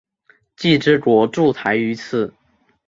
既之国筑台于此。